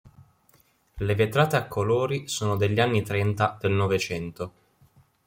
Le vetrate a colori sono degli anni trenta del Novecento.